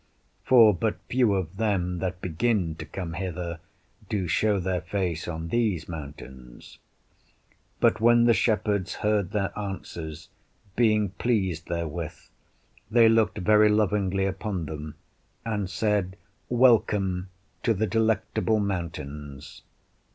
For but few of them that begin to come hither do show their face on these mountains. But when the shepherds heard their answers, being pleased therewith, they looked very lovingly upon them, and said, Welcome to the Delectable Mountains.